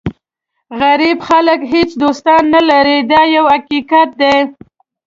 غریب خلک هېڅ دوستان نه لري دا یو حقیقت دی.